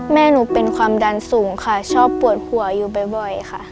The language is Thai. แม่หนูเป็นความดันสูงค่ะชอบปวดหัวอยู่บ่อยค่ะ